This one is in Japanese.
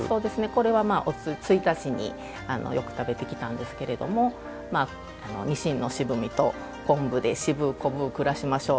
これは１日によく食べてきたんですけれどもにしんの渋みと昆布でしぶう、こぶう暮らしましょう。